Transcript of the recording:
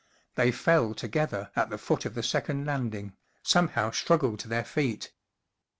They fell together at the foot of the second landing, somehow struggled to their feet.